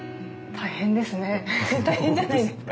大変じゃないですか？